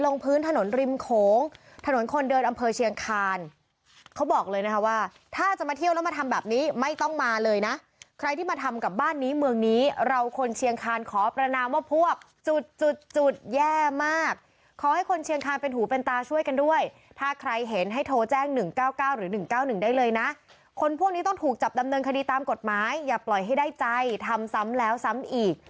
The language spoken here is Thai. เงินคดีตามกฎไม้อย่าปล่อยให้ได้ใจทำซ้ำแล้วซ้ำอีก